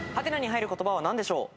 入る言葉は何でしょう？